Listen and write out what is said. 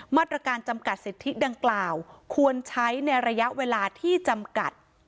มาตรการจำกัดสิทธิดังกล่าวควรใช้ในระยะเวลาที่จำกัด